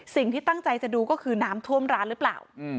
สิ่งที่ตั้งใจจะดูก็คือน้ำท่วมร้านหรือเปล่า